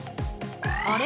あれ？